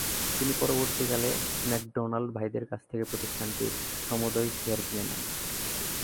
তিনি পরবর্তীকালে ম্যাকডোনাল্ড ভাইদের কাছ থেকে প্রতিষ্ঠানটির সমূদয় শেয়ার কিনে নেন।